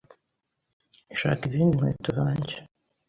shaka izindi nkweto zanjye ...